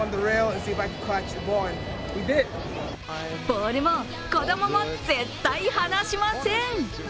ボールも子供も絶対離しません。